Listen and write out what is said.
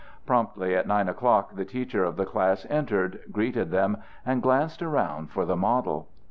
Promptly at nine o'clock the teacher of the class entered, greeted them, and glanced around for the model.